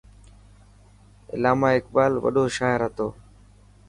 علامه اقبال وڏو شاعر هتو.